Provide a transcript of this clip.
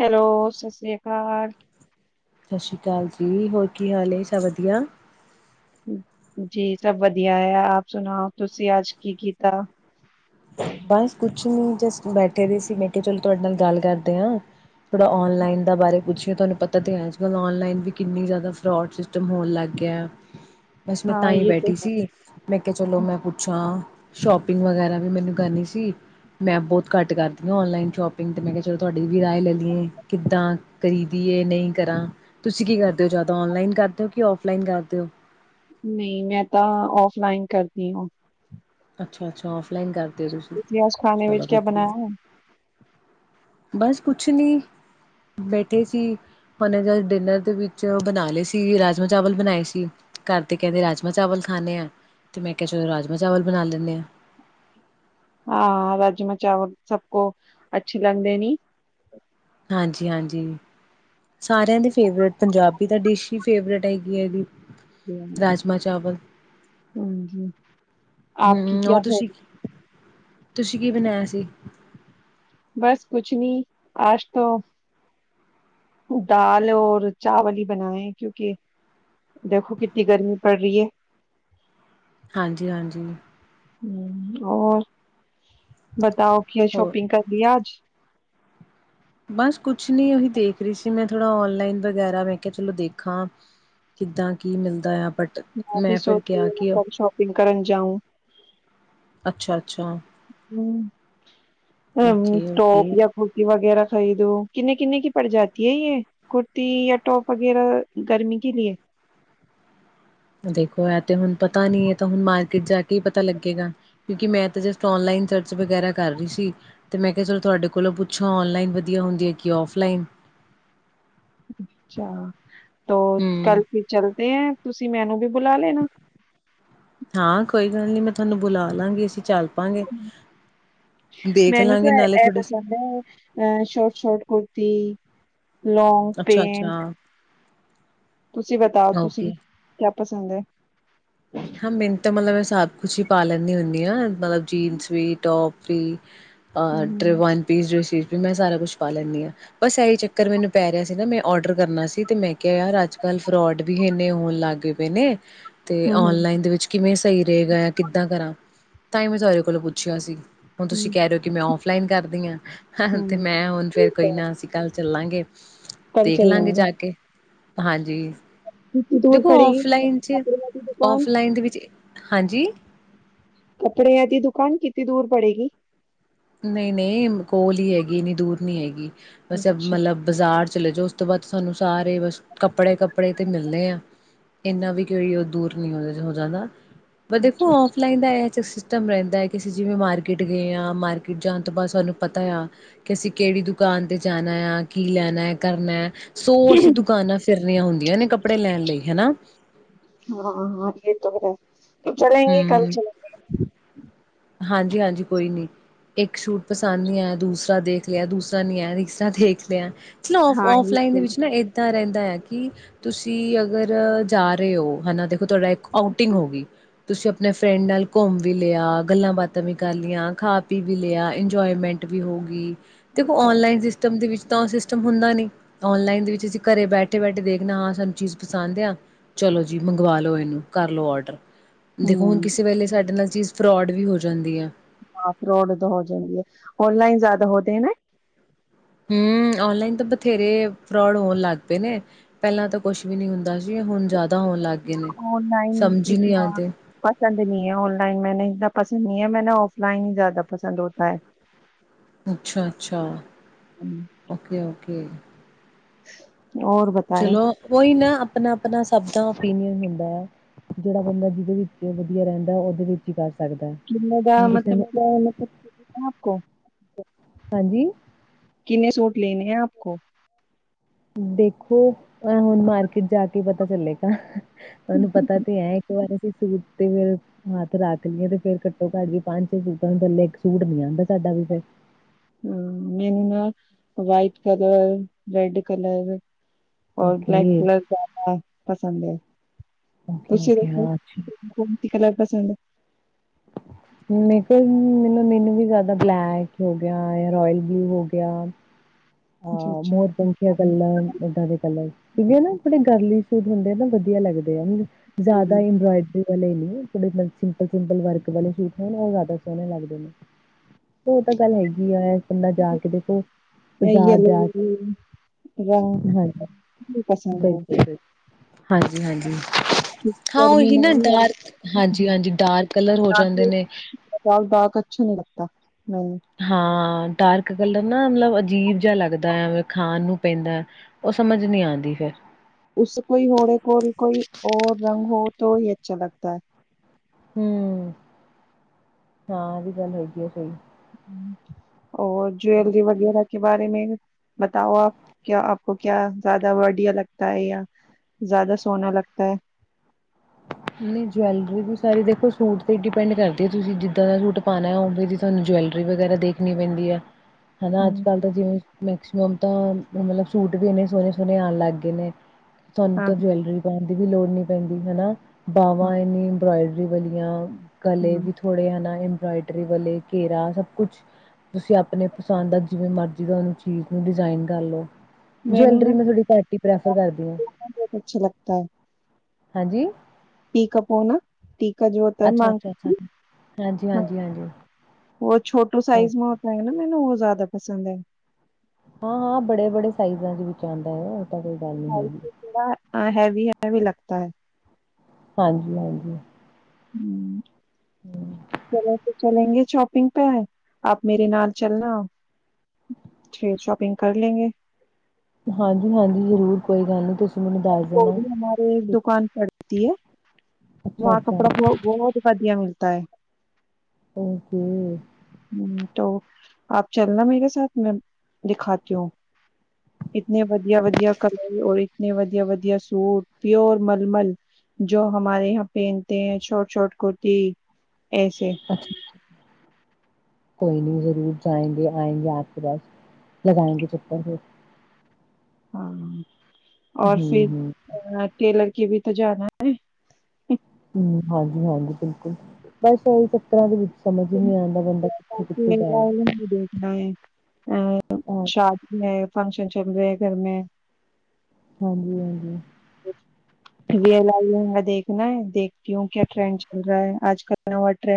Hello ਸਤਿ ਸ੍ਰੀ ਅਕਾਲ। ਸਤਿ ਸ਼੍ਰੀ ਅਕਾਲ ਜੀ ਹੋਰ ਕੀ ਹਾਲ ਸਭ ਵਧੀਆ। ਜੀ ਸਭ ਵਧੀਆ ਹੈ ਆਪ ਸੁਣਾਓ ਤੁਸੀਂ ਅੱਜ ਕੀ ਕੀਤਾ। ਬਸ ਕੁਛ ਨੀ ਜਸਟ ਬੈਠੇ ਦੇ ਸੀ ਮੈਂ ਕਿਹਾ ਚਲੋ ਤੁਹਾਡੇ ਨਾਲ ਗੱਲ ਕਰਦੇ ਹਾਂ ਥੋੜਾ ਔਨਲਾਈਨ ਦਾ ਬਾਰੇ ਪੁੱਛ ਤੁਹਾਨੂੰ ਪਤਾ ਤੇ ਹੈ ਅੱਜ ਕੱਲ ਔਨਲਾਈਨ ਵੀ ਕਿੰਨੀ ਜ਼ਿਆਦਾ ਫਰੋਡ ਸਿਸਟਮ ਹੋਣ ਲੱਗ ਗਿਆ। ਬਸ ਮੈਂ ਹਾਂ ਤਾਂ ਹੀ ਇਹ ਤੇ ਬੈਠੀ ਹੈ ਸੀ ਮੈਂ ਕਿਹਾ ਚਲੋ ਮੈਂ ਪੁੱਛਾਂ ਸ਼ੋਪਿੰਗ ਵਗੈਰਾ ਵੀ ਮੈਨੂੰ ਕਰਨੀ ਸੀ ਮੈਂ ਬਹੁਤ ਘੱਟ ਕਰਦੀ ਔਨਲਾਈਨ ਸ਼ੋਪਿੰਗ ਤੇ ਮੈਂ ਕਿਹਾ ਚਲੋ ਤੁਹਾਡੀ ਵੀ ਰਾਏ ਲੈ ਲਈਏ ਕਿੱਦਾਂ ਕਰੀਦੀਏ ਨਹੀਂ ਕਰਾਂ ਤੁਸੀਂ ਕੀ ਕਰਦੇ ਹੋ ਜ਼ਿਆਦਾ ਔਨਲ ਨਲਾਈਨ ਕਰਦੇ ਹੋ ਕਿ ਫਲਾਈਨ ਕਰਦੇ ਹੋ। ਨਹੀਂ ਮੈਂ ਤਾਂ ਔਫਲਾਈਨ ਕਰਦੀ ਆਂ। ਅੱਛਾ-ਅੱਛਾ ਔਫਲਾਈਨ ਕਰ ਤੁਸੀਂ ਅੱਜ ਖਾਣੇ ਵਿੱਚ ਕਿਆ ਬਣਾਇਆ ਹੈ। ਬਸ ਕੁਛ ਨੀ ਬੈਠੇ ਸੀ ਉਹਨੇ ਜਦ ਡਿਨਰ ਦੇ ਵਿੱਚ ਬਣਾ ਲਏ ਸੀ ਰਾਜਮਾਂ ਚਾਵਲ ਬਣਾਏ ਸੀ ਘਰ ਤੇ ਕਹਿੰਦੇ ਰਾਜਮਾਂ ਚਾਵਲ ਖਾਂਦੇ ਆ ਤੇ ਮੈਂ ਕਿਹਾ ਚਲ ਰਾਜਮਾਂ ਚਾਵਲ ਬਣਾ ਲੈਨੇ ਆ। ਹਾਂ ਰਾਜਮਾ ਚਾਵਲ ਸਭ ਕੋ ਅੱਛੇ ਲਾਦੇ ਨੀ। ਹਾਂਜੀ-ਹਾਂਜੀ ਸਾਰਿਆਂ ਦੇ ਫੇਵਰੇਟ ਪੰਜਾਬੀ ਦੀ ਡਿਸ਼ ਹੀ ਫੇਵਰੇਟ ਹੈਗੀ ਹੈਦੀ। ਹਾਂਜੀ ਰਾਜਮਾਂ ਚਾਵਲ ਹਾਂਜੀ ਆਪਕੀ ਹੋਰ ਕਿਆ ਹਾਂ ਤੁਸੀਂ ਕੀ ਤੁਸੀਂ ਕੀ ਬਣਾਇਆ ਸੀ। ਬਸ ਕੁਛੱ ਨੀ ਆਜ ਤੋਂ ਦਾਲ ਔਰ ਚਾਵਲ ਹੀ ਬਣਾਏ ਕਿਉਂਕਿ ਦੇਖੋ ਕਿਤਨੀ ਗਰਮੀ ਪਰ ਰਹੀ ਹੈ। ਹਾਂਜੀ-ਹਾਂਜੀ। ਹੂ ਹੋਰ ਬੱ ਤਾਂ ਕੀ ਹੋਰ ਸ਼ੋਪਿੰਗ ਕਾ ਕੀਆ ਆਜ। ਬਸ ਕੁਛ ਨੀ ਉਹੀ ਦੇਖ ਰਹੀ ਸੀ ਮੈਂ ਥੋੜਾ ਉਨਲਾਈਨ ਵਗੈਰਾ ਮੈਂ ਕਿਹਾ ਚਲੋ ਦੇਖਾਂ ਕਿੱਦਾਂ ਕੀ ਮਿਲਦਾ। ਬਟ ਮੈਂ ਵੀ ਫਿਰ ਸੋਚ ਦੀ ਕਿਹਾ ਕਿ ਕਲ ਸ਼ੋਪਿੰਗ ਕਰਨ ਜਾਊ। ਅੱਛਾ ਅੱਛਾ ਹੂ ਹਮ ਓਕੇ ਟੋਪ ਓਕੇ ਜਾਂ ਕੁਰਤੀ ਵਗੈਰਾ ਖ਼ਰੀਦੋ ਕਿੰਨੇ-ਕਿੰਨੇ ਕੀ ਪੜ ਜਾਤੀ ਹੈ ਯ ਕੁੁਰਤੀ ਜਾਂ ਟੋਪ ਵਗੈਰਾ ਗਰਮੀ ਕੇ ਲੀਏ। ਦੇਖੋ ਇਹ ਤੇ ਹੁਣ ਪਤਾ ਨੀ ਹੈ ਹੁਣ ਮਾਰਕੀਟ ਜਾ ਕੇ ਹੀ ਪਤਾ ਲੱਗੇਗਾ ਕਿਉਂਕਿ ਮੈਂ ਤਾਂ ਜਸਟ ਔਨਲਾਈਨ ਸਰਚ ਵਗੈਰਾ ਕਰ ਰਹੀ ਸੀ ਤੇ ਮੈਂ ਕਿਹਾ ਚਲੋ ਤੁਹਾਡੇ ਕੋਲੋਂ ਪੁੱਛੋ ਔਨਲਾਈਨ ਵਧੀਆ ਹੁੰਦੀ ਹੈ ਕਿ ਔਫਲਾਈਨ। ਅੱਛਾ ਤੋਂ ਹਮ ਕੱਲ ਕੀ ਚਲਦੇ ਹੈ ਤੁਸ ਮੈਨੂੰ ਵੀ ਬੁਲਾ ਲੈਣਾ। [unintelligible] ਮੈਂ ਤੁਹਾਨੂੰ ਬੁਲਾ ਲਵਾਂਗੀ ਅਸੀਂ ਚੱਲ ਪਾਂਗੇ ਦੇਖ ਮੈਨੂੰ ਲਾਂਗੇ ਤਾਂ ਨਾਲੇ ਇਹ ਥੋੜੇ ਪਸੰਦ ਹੈ ਅਹ ਸ਼ੋਰਟ ਸ਼ੋਟ ਕੁੁਰਤੀ ਲੋਂਗ ਅੱਛਾ ਅੱਛਾ ਪੈਂਟ। ਤੁਸੀਂ ਬਤਾਓ ਓਕੇ ਤੁਸੀਂ ਕ ਪਸੰਦ ਹੈ। ਹਾਂ ਮੈਨੂੰ ਤਾਂ ਮਤਲਬ ਹੈ ਸਬ ਕੁੱਛ ਵੀ ਪਾ ਲੈਨੀ ਹੁੰਨੀ ਆ। ਮਤਲਬ ਜੀਨਸ ਵੀ, ਟੋਪ ਤੇ ਅਹ ਟਰੀ ਵਨ ਪੀਸ ਡਰੈਸਿਸ। ਵੀ ਮੈਂ ਸਾਰਾ ਕੁਛ ਪਾ ਲੈਂਦੀ ਹਾਂ, ਬਸ ਇਹੀ ਚੱਕਰ ਮੈਨੂੰ ਪੈ ਰਿਹਾ ਸੀ ਨਾ, ਮੈਂ ਔਡਰ ਕਰਨਾ ਸੀ ਤੇ ਮੈਂ ਕਿਹਾ ਯਾਰ ਅੱਜ ਕੱਲ ਫਰੋਡ ਵੀ ਇੰਨੇ ਹੋਣ ਲੱਗਗੇ ਪਏ ਨੇ, ਤੇ ਔਨਲਾਈਨ ਦੇ ਵਿੱਚ ਕਿਵੇਂ ਸਹੀ ਰਹੇਗਾ, ਏਹ ਕਿੱਦਾਂ ਕਰਾਂ? ਤਾਂ ਹੀ ਮੈਂ ਤੁਹਾਡੇ ਕੋਲੋਂ ਪੁੱਛਿਆ ਸੀ। ਹੁਣ ਤੁਸੀਂ ਕਹਿ ਰਹੇ ਹੋ ਕਿ ਮੈਂ ਔਫ ਲਾਈਨ ਕਰਦੀ ਹਾਂ ਤੇ ਮੈਂ ਹੁਣ ਫ਼ਿਰ ਕੋਈ ਨਾ, ਅਸੀਂ ਕੱਲ ਚੱਲਾਂਗੇ, ਦੇਖ ਲਾਂਗੇ ਜਾ ਕੇ। ਹਾਂਜੀ। ਦੂਰ ਦੇਖੋ ਪੜੇਗੀ ਔਫਲਾਈਨ ਚ ਔਫਲਾਈਨ ਦੇ ਵਿੱਚ ਹਾਂਜੀ? ਕੱਪੜੇਆ ਦੀ ਦੁਕਾਨ ਕਿ ਕਿਤਨੀ ਦੂਰ ਪੜੇਗੀ? ਨਹੀਂ-ਨਹੀਂ, ਕੋਲ ਹੀ ਹੈਗੀ, ਇੰਨੀ ਦੂਰ ਨਹੀਂ ਹੈਗੀ। ਵੈਸੇ ਮਤਲਬ ਬਜ਼ਾਰ ਚ ਚਲੇ ਜਾਓ, ਉਸ ਤੋਂ ਬਾਅਦ ਸਾਨੂੰ ਸਾਰੇ ਬਸ ਕੱਪੜੇ-ਕੱਪੜੇ ਤੇ ਮਿਲਨੇ ਆ। ਇੰਨਾ ਵੀ ਕੋਈ ਉਹ ਦੂਰ ਹੋ ਜਾਂਦਾ। ਪਰ ਦੇਖੋ ਔਫਲਾਈਨ ਦਾ ਐ [unintelligible] ਟਮ ਰਹਿੰਦਾ ਹੈ ਕਿ ਅਸੀਂ ਜਿਵੇਂ ਮਾਰਕੀਟ ਗਏ ਹਾਂ ਮਾਰ ਕੀਟ ਜਾਣ ਤੋਂ ਬਾਅਦ ਸਾਨੂੰ ਪਤਾ ਆ, ਕਿ ਅਸੀਂ ਕਿਹੜੀ ਦੁਕਾਨ ਤੇ ਜਾਣਾ ਆ? ਕੀ ਲੈਣਾ ਹੈ? ਕਰਨਾ ਹੈ? ਸੋ ਅਸੀਂ ਦੁਕਾਨਾਂ ਫਿਰਨੀਆਂ ਹੁੰਦੀਆਂ ਨੇ ਕੱਪੜੇ ਲੈਣ ਲਈ, ਹਨਾ? ਚਲੇਗੇ ਕੱਲ ਹਮ ਚਲੇਂਗੇ। [inaudible] ਹਾਂਜੀ-ਹਾਂਜੀ ਕੋਈ ਨੀ, ਇੱਕ ਸ਼ੂਟ ਪਸੰਦ ਨਹੀਂ ਆਇਆ, ਦੂਸਰਾ ਦੇਖ ਲਿਆ, ਦੂਸਰਾ ਨੀ ਆਇਆ, ਤੀਸਰਾ ਦੇਖ ਲਿਆ। ਚਲੋ ਔਫ ਔਫਲਾਈਨ ਦੇ ਵਿੱਚ ਨਾ ਏਦਾ ਰਹਿੰ ਦਾ ਕਿ ਤੁਸੀਂ ਅਗਰ ਜਾ ਰਹੇ ਹੋ, ਹਨਾ ਤੇ ਤੁਹਾਡਾ ਇੱਕ ਆਊਟਿੰਗ ਹੋ ਗਈ। ਤੁਸੀਂ ਅਪਣੇ ਫਰੈਂਡ ਨਾਲ ਘੁੰਮ ਵੀ ਲਿਆ। ਗੱਲਾਂ ਬਾਤ ਤਾਂ ਵੀ ਕਰ ਲੀਆਂ, ਖਾ ਪੀ ਵੀ ਲਿਆ, ਇੰਜੋਏਮੈਂਟ ਵੀ ਹੋ ਗੀ। ਦੇਖੋ ਔਨਲਾਈਨ ਸਿਸਟਮ ਦੇ ਵਿੱਚ ਤਾਂ ਔ ਸਿਸ ਟਮ ਹੁੰਦਾ ਨੀ ਔਨਲਾਈਨ ਦੇ ਵਿੱਚ ਅਸੀਂ ਘਰੇ ਬੈਠੇ ਬੈਠੇ ਦੇਖਣਾ ਹਾਂ ਸਾਨੂੰ ਚੀਜ਼ ਪਸੰਦ ਆ ਚਲੋ ਜੀ ਮੰਗਵਾ ਲੋ ਏਨੂੰ ਕਰ ਲੈ ਔਡਰ। ਦੇਖੋ ਹੁਣ ਕਿਸੇ ਵੇਲੇ ਸਾਡੇ ਨਾਲ ਚੀਜ਼ ਫਰੋਡ ਵੀ ਹੋ ਜਾਂਦੀ ਆ। ਹਾਂ, ਫਰੋਡ ਤਾਂ ਹੋ ਜਾਂਦੀ ਐ, ਔਨਲਾਈਨ ਜੈਦਾ ਹੋਤੇ ਹੈ ਨਾ। ਹੂੰ, ਔਨਲਾਈਨ ਤਾਂ ਬਥੇਰੇ ਫਰੋਡ ਹੋਣ ਲੱਗ ਪੇ ਨੇ ਪੈਲਾਂ ਤਾਂ ਕੁਛ ਵੀ ਨੀ ਹੁੰਦਾ ਸੀ ਹੁਣ ਜੈਦ ਔਨਲਾਈਨ ਇਤਨਾ ਆਂਦੇ, ਪਸੰਦ ਨ੍ਹੀਂ ਹੈ, ਔਨਲਾਈਨ ਮੈਨੂੰ ਇੰਦਾ ਪਸੰਦ ਨੀ ਐ, ਮੈ ਨਾ ਔਫਲਾਈਨ ਹੀ ਜੈਦਾ ਪਸੰਦ ਹੋਤਾ ਹੈ। ਅੱਛਾ ਅੱਛਾ, ਓਕੇ ਓਕੇ। [inaudible] ਚਲੋ ਓਈ ਨਾ ਅਪਣਾ ਅਪਣਾ ਸਭ ਦਾ ਔਪੀਨੀਅਨ ਹੁੰਦਾ ਐ ਜੇੜਾ ਬੰਦਾ ਜਿਦੇ ਵਿੱਚ ਵਧੀਆ ਰੈੰਦਾ ਓਦੇ ਵਿੱਚ ਹੀ ਕਰ ਸਕ ਸਕਦਾ ਐ, ਕਿਸੇ ਨੂੰ ਕੈ ਨਾ [inaudible] ਹਾਂਜੀ। ਕਿੰਨੇ ਸੂਟ ਲੈਣੇੇ ਹੈ ਆਪ ਕੋ। ਦੇਖੋ ਔ ਹੋਣ ਮਾਰਕੀਟ ਜਾ ਕੇ ਪਤਾ ਚੱਲੇਗਾ। ਤੁਹਾਨੂੰ ਪਤਾ ਤੇ ਹੈ ਇੱਕ ਵਾਰ ਅਸ ਸੀ ਸੂਟ ਤੇ ਫੇਰ ਹੱਥ ਰੱਖ ਲਈਏ ਤੇ ਫੇਰ ਘੱਟੋ ਘੱਟ ਵੀ ਪੰਜ ਛੇ ਸੂਟਾਂ ਨੂੰ ਥੱਲੇ ਇੱਕ ਸੂਟ ਨੀ ਆਂਦਾ ਸਾਡਾ ਵੀ ਫੇਰ। ਹੂੰ ਮੈਨੂੰ ਨਾ ਵਾਈਟ ਕਲਰ, ਰੈਡ ਕਲਰ ਹੋਰ ਬਲੈਕ ਓਕੇ, ਕਲਰ ਜੈਦਾ ਪਸੰਦ ਹੈ, ਓਕੇ, ਤੁਸੀਂ ਓਕੇ ਦੇਖੋ ਹਾਂ ਅੱਛਾ। ਤੁਮ ਕਲਰ ਪਸੰਦ ਐ। ਮੇ ਕੋਲ ਮੈਨ ਮੈਨੂੰ ਵੀ ਜੈਦਾ ਬਲੈਕ ਹੈਗਾ, ਰੋਇਲ ਬਲੂ ਹੋ ਗਿਆ। ਹਾਂ ਮੋਰਪਖੀਆਂ ਕਲਰ ਏਦਾਂ ਦੇ ਕਲਰ ਸੀਗਾ ਨਾ ਥੋੜੀ ਗਰਲੀਸ਼ ਸੂ ਹੁੰਦੇ ਨਾ ਵਧੀਆ ਲੱਗਦੇ। ਦੇ ਐ ਮੈਨੂੰ ਜੈਦਾ ਇੰਬੋਇਡਰੀ ਵਾਲੇ ਨੀ। ਥੋੜੇ ਮੈਨ ਸਿੰਪਲ ਸਿੰਪਲ ਵਰਕ ਵਾਲੇ ਸੂਟ ਹੋਣ ਓਹ ਜੈਦਾ ਸੋਣੇ ਲੱਗਦੇ ਨੇ। ਔ ਤਾਂ ਗੱਲ ਹੈਗੀ ਐ ਇਕ ਬੰਦਾ ਜਾ ਕੇ ਦੇਖੋ ਬਜ਼ਾਰ ਜਾ ਕੇ ਹਾਂਜੀ, ਬਿਲਕੁਲ ਬਿਲਕੁਲ। ਹਾਂਜੀ ਹਾਂਜੀ। ਹਾਂ ਓਹੀ ਨਾ ਡਾਰਕ ਹਾਂਜੀ ਹਾਂਜੀ ਡਾਰਕ ਕਲਰ ਔਰ ਤਾਕੇ ਡਾਰਕ ਡਾਕ ਅੱਛਾ ਨੀ ਲੱਗਤਾ। ਹਾਂ ਡਾਰਕ। ਇੱਕ ਗੱਲ ਨਾ ਮਤਲਬ ਅਜੀਬ ਜਿਹਾ ਲੱਗਦਾ ਹੈ ਖਾਣ ਨੂੰ ਪੈਂਦਾ ਉਹ ਸਮਝ ਨੀ ਆਉਂਦੀ ਫਿਰ। ਉਸ ਕੋਈ ਹੋੜੇ ਕੋਲ ਕੋਈ ਰ ਰੰਗ ਹੋ ਤਾਂ ਹੀ ਅੱਛਾ ਲਗਦਾ ਹੈ। ਹਮ ਹਾਂ ਇਹਦੀ ਗੱਲ ਹੈਗੀ ਆ ਸਹੀ। ਹੋਰ ਜਵਲਰੀ ਵਗੈਰਾ। ਕੇ ਬਾਰੇ ਮ ਬਤਾਓ ਆਪ ਕ ਆਪ ਕਿਆ ਜ਼ਿਆਦਾ ਵਡਆ ਲਗਦਾ ਹੈ ਜਾਂ ਜ਼ਿਆਦਾ ਸੋਨਾ ਲਗਦਾ ਹੈ। ਨਹੀਂ ਜਵੈਲਰੀ ਵੀ ਸਾਰੀ ਦੇਖੋ ਸੂਟ ਤੇ ਡਿਪੈਂਡ ਕਰਦੀ ਆ ਤੁਸੀਂ ਜਿਦਾਂ ਦਾ ਸੂਟ ਪਾਣਾਵੇ ਤੁਾਨੂੰ ਜੈਲਰੀ ਵਗੈਰਾ ਦੇਖਣੀ ਪੈਂਦੀ ਆ। ਹਨਾ ਅੱਜ ਕੱਲ੍ਹ ਤਾਂ ਜਿਵੇਂ ਮੈਕਸੀਮਮ। ਤਾਂ ਮਤਲਬ ਸੂਟ ਵੀ ਇੰਨੇ ਸੋਹਣੇ ਸੋਹਣੇ ਆਉਣ ਲੱਗ ਗਏ ਨੇ। ਸਾਨੂੰ ਤਾਂ ਜੁਵੈਲਰੀ ਪਾਉਣ ਦੀ ਵੀ ਲੋੜ ਨਹੀਂ। ਪੈਂਦੀ ਹਨਾ। ਬਾਾਹਵਾਂ ਇਹਨੀ ਇੰਬਰਾੋਇਡਰੀ। ਬਵਲੀਆਂ। ਗਲੇ ਵੀ ਥੋੜੇ ਹਨਾ। ਰੀ ਵਾਲੇ ਘੇਰਾ ਸਭ ਕੁਛ ਤੁਸੀਂ ਆਪਣੇ ਪਸੰਦ ਦਾ ਜਿਵੇਂ ਮਰਜ਼ੀ ਤੁਾਨੂੰ ਚੀਜ਼ ਨੂੰ ਡਿਜ਼ਾਇਨ ਕਰ ਲਓ। ਜਵੈਲਰੀ ਮੈਂ ਤੁਥਹਾੀ ਪਾਰਟੀ ਪ੍ਰੈਫਰ ਕਰਦੀ ਹਾਂ। ਹਾਂਜੀ। ਪਟੀਕ ਅੱਛਾ ਪਣਾਕ। ਅੱਛਾ ਅੱਛਾ ਹਾਂਜੀ ਹਾਂਜੀ ਹਾਂਜੀ ਉਹ ਛੋਟੋ ਸਾਈਜ਼ ਮੈਂ ਹੋ ਹੈ ਨਾ ਮੈ ਜ਼ਿਆਦਾ ਪਸੰਦ ਹੈ। ਹਾਂ ਹਾਂ ਬੜੇ ਬੜੇ ਸਾਈਜ਼ਾਂ ਚ ਵਿੱਚ ਆਂਦੇ। ਜੜਾ ਹੈਵੀ ਹੈਵੀ ਲੱਗਦਾ ਹੈ। ਹਾਂਜੀ ਹਾਂਜੀ। ਹੂ। ਬੜਾ ਕੁਝ। ਚਲਗੇ ਸ਼ੋਪਿੰਗ ਪੇ ਆਪ ਮੇਰੇ ਨਾਲ ਚਲਣਾ ਫਿਰ ਸ਼ੋਪਿੰਗ ਕਰ ਲੈਣਗੇ। ਹਾਂਜੀ ਹਾਂਜੀ ਜ਼ਰੂਰ ਕੋਈ ਗੱਲ ਨਹੀਂ ਤੁਸੀਂ। ਮੈਨੂੰ ਦੱਸ ਦੇਣਾ। ਵੀ ਹਮੀ ਇੱਕ ਦੁਕਾਨ ਪਰ। [inaudible] ਧਆ। ਵਹਾ ਅੱਛਾ-ਅੱਛਾ ਕੱਪੜਾ ਬਹੁਤ। ਮਿਲਤਾ ਹੈ। ਠੀਕ ਏ। [inaudible] ਹੂ ਆਪ ਚਲਣਾ ਮੇਰੇ ਸਾਥ ਮੈਂ ਦਿਖਾਤੀ ਹ ਇਤਨ ਵਧੀਆ ਵਧੀਆ ਕਲਰ ਔਰ ਇਤੇ ਵਧੀਆ ਵਧੀਆ ਸੂਟ ਪਿਓਰ ਮਲਮਲ ਜੋ ਹਮਾਰਾਰੇ ਯਾਂ ਪਹਿਨਤੇ ਹੈ ਸ਼ੋਟ ਸ਼ੋਰਟ ਕੁੁਰਤੀ। ਏਸ। ਅੱਛਾ-ਅੱਛਾ ਕੋਈ ਨਹੀਂ ਜ਼ਰੂਰ ਜਾਏਂਗੇੇ ਆਏਂਗੇੇ ਆਪ ਕੇ ਪਾਸ ਲਗਾਏਂਗੇੇ ਚੱਕਰ ਫਿਰ। ਹਾਂ। ਔਰ ਹੂੰ-ਹੂੰ, ਫਿਰ ਅਕਲੇ। ਕਿ ਵੀ ਤਾਂ ਜਾਣਾ ਹੈ। ਹਮ ਹਾਂਜੀ ਹਾਂਜੀ ਬਿਲਕੁਲ ਬਸ ਇਹੀ ਚੱਕਰਾਂ ਦੇ ਵਿੱਚ ਸਮਝ ਹੀ ਨਹੀਂੀ ਆਉਂਦਾ ਬੰਦਾ ਕਿੱਥੇ ਕਿੱਥੇ ਜਾਏ। ਅ ਹਾਂ ਸ਼ਾਦੀ ਹੈ। ਫੰਕਸ਼ਨ ਚੱਲ ਰਹੇ ਘਰ ਮੈਂ ਹਾਂਜੀ-ਹਾਂਜੀ। ਵੀ ਲ ਦੇਖ। ਣਾ ਦੇਖਤੀ ਹੁ ਕਿਆ ਟ੍ਰਰੈਂਡ ਚੱਲ ਰਿਹਾ ਹੈ ਆਜ ਕਲ ਨਵਾਂ ਟ੍ਰੈਂਡ